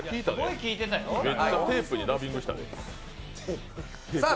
めっちゃテープにダビングしたよ。